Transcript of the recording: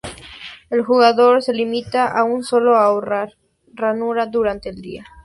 El jugador se limita a un solo ahorrar ranura durante el día.